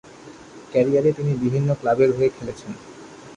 ক্যারিয়ারে তিনি বিভিন্ন ক্লাবের হয়ে খেলেছেন।